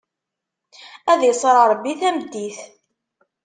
Ad iṣṣer Ṛebbi tameddit!